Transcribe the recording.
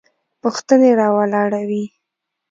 پوښتنې راولاړوي.